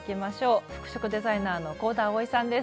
服飾デザイナーの香田あおいさんです。